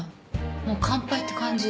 もう完敗って感じ。